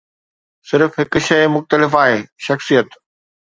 صرف هڪ شيء مختلف آهي، شخصيت.